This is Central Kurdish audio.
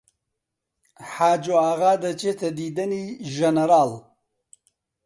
حاجۆ ئاغا دەچێتە دیدەنی ژنەراڵ